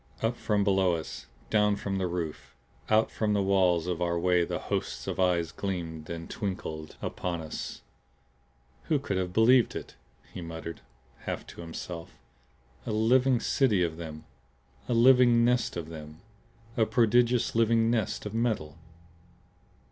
Up from below us, down from the roof, out from the walls of our way the hosts of eyes gleamed and twinkled upon us. "Who could have believed it?" he muttered, half to himself. "A living city of them! A living nest of them; a prodigious living nest of metal!"